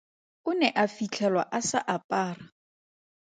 O ne a fitlhelwa a sa apara.